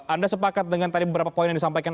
anda sepakat dengan tadi beberapa poin yang disampaikan